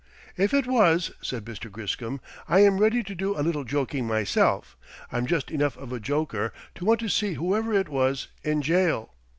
"If it was," said Mr. Griscom, "I am ready to do a little joking myself. I'm just enough of a joker to want to see whoever it was in jail.